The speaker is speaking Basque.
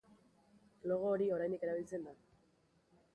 Logo hori oraindik erabiltzen da.